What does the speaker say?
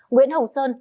nguyễn hồng sơn